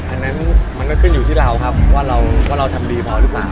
อันนั้นมันก็ขึ้นอยู่ที่เราครับว่าเราทำดีพอหรือเปล่า